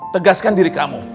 tegaskan diri kamu